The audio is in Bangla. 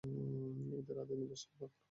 এঁদের আদি নিবাস ছিল বাঁকুড়ার পাইকপাড়ায়।